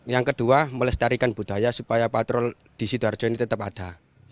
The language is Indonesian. yang kedua melestarikan budaya supaya patrol di sidoarjo ini tetap ada